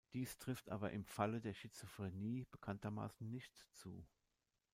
Dies trifft aber im Falle der Schizophrenie bekanntermaßen nicht zu.